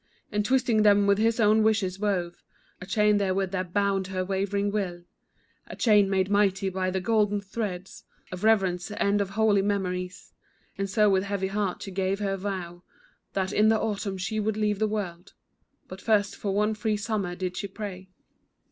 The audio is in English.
And twisting them with his own wishes, wove A chain therewith that bound her wavering will; A chain made mighty by the golden threads Of rev'rence and of holy memories. And so with heavy heart she gave her vow, That in the autumn she would leave the world, But first for one free summer did she pray.